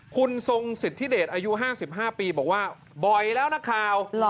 คุณทรงสิทธิเดชอายุ๕๕ปีบอกว่าบ่อยแล้วนักข่าว